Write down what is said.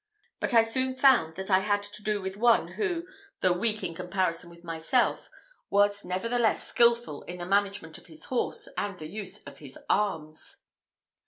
But I soon found that I had to do with one who, though weak in comparison with myself, was nevertheless skilful in the management of his horse and the use of his arms.